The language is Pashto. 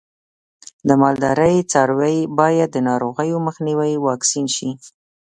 د مالدارۍ څاروی باید د ناروغیو مخنیوي واکسین شي.